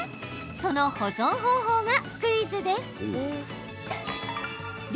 その保存方法がクイズです。